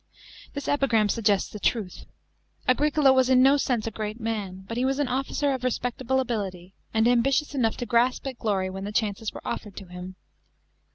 This epigram suggests the truth. Agricola was in no sense a great man, but he was an officer of respectable ability, and ambitious enough to grasp at glory when the chances were offered to him.